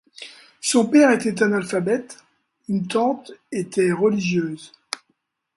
Son père était analphabète, une tante était religieuse.